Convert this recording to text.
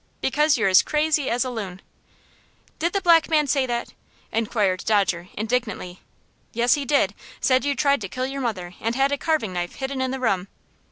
"Because you're crazy as a loon." "Did the black man say that?" inquired Dodger, indignantly. "Yes, he did said you tried to kill your mother, and had a carving knife hidden in the room."